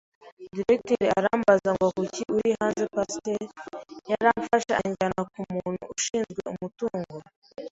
Directeur arambaza ngo kuki uri hanze Pasteur? Yaramfashe anjyana ku muntu ushinzwe umutungo